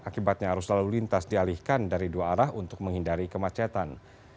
akibatnya arus lalu lintas dialihkan dari dua arah untuk menghindari kemacetan